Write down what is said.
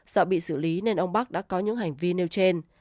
sợ bị xử lý nên ông bắc đã có những hành vi nêu trên